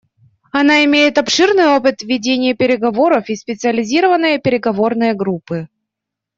Она имеет обширный опыт ведения переговоров и специализированные переговорные группы.